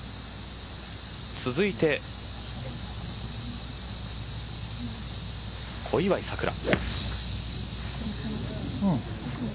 続いて小祝さくら。